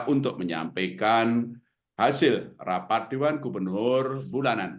untuk menyampaikan hasil rapat dewan gubernur bulanan